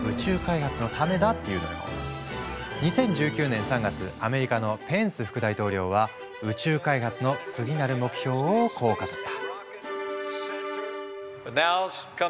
２０１９年３月アメリカのペンス副大統領は宇宙開発の次なる目標をこう語った。